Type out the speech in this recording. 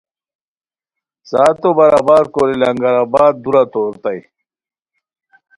ساعتو برابر کوری لنگر آباد دُورہ تورتائے